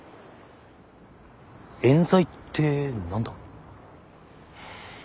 えん罪って何だ？